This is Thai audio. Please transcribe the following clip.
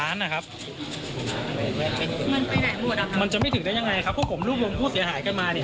มันไปไหนหมดอ่ะค่ะมันจะไม่ถึงได้ยังไงครับพวกผมรูปยงผู้เสียหายกันมาเนี่ย